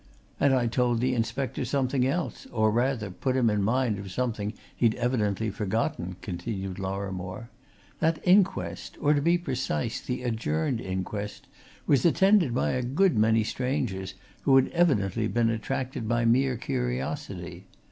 "And I told the inspector something else, or, rather, put him in mind of something he'd evidently forgotten," continued Lorrimore. "That inquest, or, to be precise, the adjourned inquest, was attended by a good many strangers, who had evidently been attracted by mere curiosity.